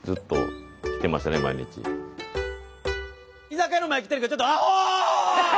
居酒屋の前来てるけどちょっとあほ！